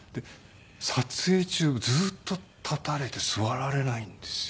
撮影中ずっと立たれて座られないんですよ。